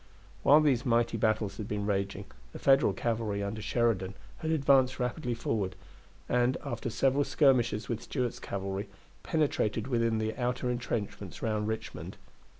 While these mighty battles had been raging the Federal cavalry under Sheridan had advanced rapidly forward, and, after several skirmishes with Stuart's cavalry, penetrated within the outer intrenchments round Richmond.